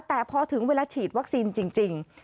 แต่พอถึงเวลาฉีดวัคซีนจริง